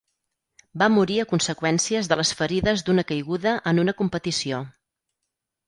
Va morir a conseqüències de les ferides d'una caiguda en una competició.